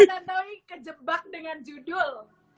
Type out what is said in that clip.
pak tantoy kejebak dengan judul